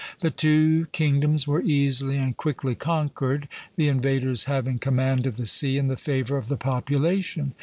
The two kingdoms were easily and quickly conquered, the invaders having command of the sea and the favor of the population.